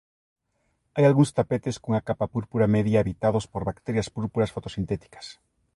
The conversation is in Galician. Hai algúns tapetes cunha capa púrpura media habitados por bacterias púrpuras fotosintéticas.